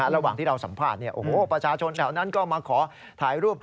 ระหว่างที่เราสัมภาษณ์ประชาชนแถวนั้นก็มาขอถ่ายรูป